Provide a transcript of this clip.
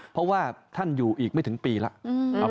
เพราะว่าท่านอยู่อีกไม่ถึงปีแล้ว